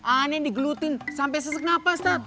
ana yang digelutin sampe sesek nafas tat